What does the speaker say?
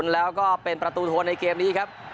แล้วก็เป็นประตูโทนในเกมนี้ครับ